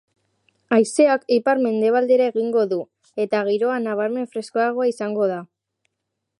Haizeak ipar-mendebaldera egingo du, eta giroa nabarmen freskoagoa izango da.